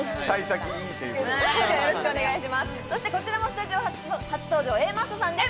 こちらもスタジオ初登場、Ａマッソさんです。